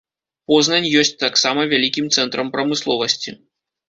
Познань ёсць таксама вялікім цэнтрам прамысловасці.